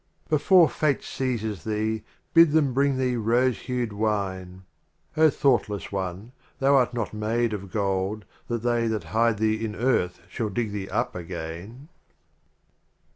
54 XV. Before Fate seizes thee, Bid them bring thee Rose hued Wine. O Thoughtless One, thou art not made of Gold That they that hide thee in Earth shall dig thee up again